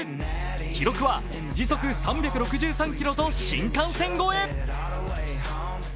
記録は時速３６３キロと新幹線超え。